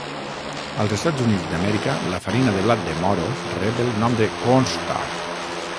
Als Estats Units d'Amèrica, la farina de blat de moro rep el nom de "cornstarch"